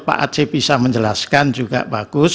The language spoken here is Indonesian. pak aceh bisa menjelaskan juga bagus